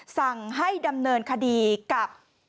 สั่งให้ดำเนินคดีกับ